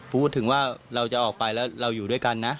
พูดถึงว่าเราจะออกไปแล้วเราอยู่ด้วยกันนะ